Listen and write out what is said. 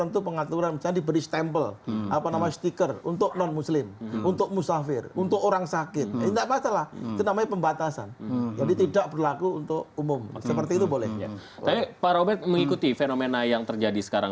tapi pak robert mengikuti fenomena yang terjadi sekarang